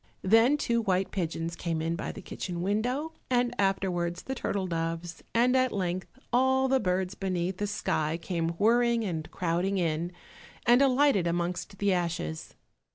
Then two white pigeons came in by the kitchen window, and afterwards the turtle doves, and at length all the birds beneath the sky, came whirring and crowding in, and alighted amongst the ashes.